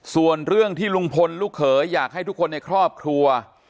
ส่วนเรื่องที่ลุงพลลูกเขยอยากให้ทุกคนในครอบครัว